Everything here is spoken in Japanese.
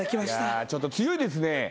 いやちょっと強いですね。